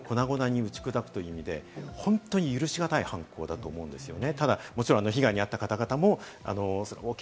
その安心感を粉々に打ち砕くという意味で、本当に許しがたい犯行だと思うんですよね。